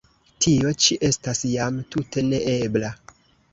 Tio ĉi estas jam tute ne ebla!